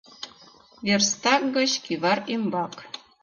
Верстак гыч кӱвар ӱмбак